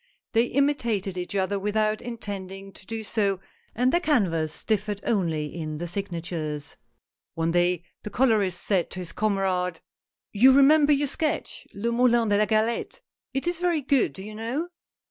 They imitated each other without intending to do so, and their canvas differed only in the signatures. One day the' colorist said to his comrade : HOW PICTURES ARE MADE. 137 "You remember your sketch, Le Moulin de la Galette. It is very good, do you know